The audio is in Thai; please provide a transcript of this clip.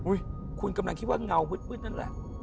คุณกำลังคิดว่าเงามืดนั่นแหละ